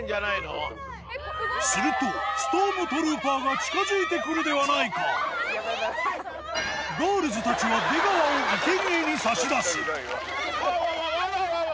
するとストームトルーパーが近づいてくるではないかガールズたちは出川を生け贄に差し出すうわうわうわうわ！